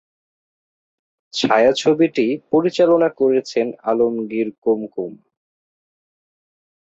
ছায়াছবিটি পরিচালনা করেছেন আলমগীর কুমকুম।